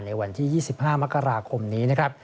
ในวันที่๒๕มกราคมนี้นะครับ